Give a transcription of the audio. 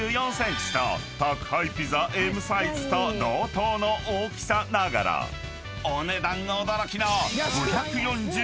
［宅配ピザＭサイズと同等の大きさながらお値段驚きの］